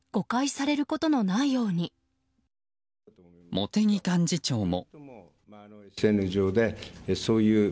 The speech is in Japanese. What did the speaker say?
茂木幹事長も。